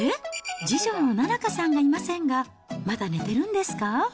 次女の菜々花さんがいませんが、まだ寝てるんですか？